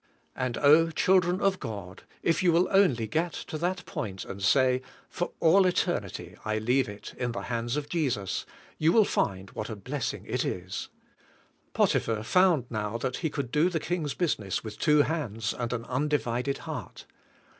And oh, children of God, if j^ou will onh^ get to that point and say, "For all eternity I leave it in the hands of Jesus," you will find what a bless ing it is. Potiphar found now that he could do the king's business with two hands and an un divided heart.